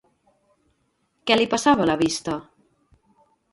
Què li passava a la vista?